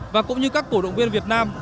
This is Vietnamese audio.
và cũng như các cổ động viên việt nam